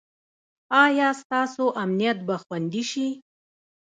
ایا ستاسو امنیت به خوندي شي؟